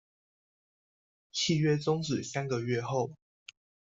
契約終止三個月後